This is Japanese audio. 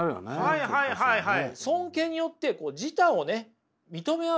はいはいはいはい。